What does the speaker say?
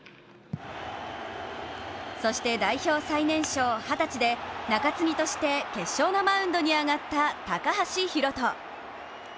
そして代表最年少・二十歳で中継ぎとして、決勝のマウンドに上がった高橋宏斗。